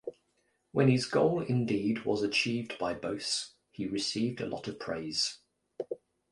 When this goal indeed was achieved by "Bosse", he received a lot of praise.